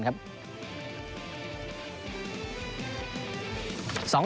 สำหรับมันไม่ได้